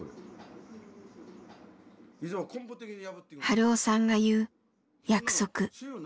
春雄さんが言う「約束」。